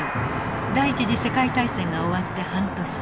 第一次世界大戦が終わって半年。